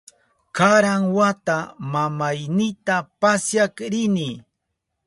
Karan wata mamaynita pasyak rini.